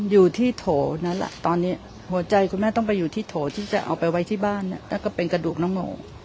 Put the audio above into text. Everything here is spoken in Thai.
อยู่ที่โถนะเท่านี้หัวใจคุณแม่อยู่ที่โถที่จะเอาไปไว้ที่บ้านค่ะซึ่งและก็เป็นกระดูกนท์โหม่